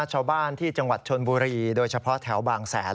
ชาวบ้านที่จังหวัดชนบุรีโดยเฉพาะแถวบางแสน